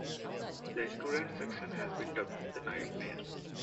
The student section has been dubbed the Knightmare.